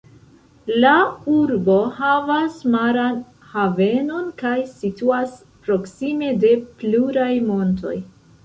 La urbo havas maran havenon kaj situas proksime de pluraj montoj.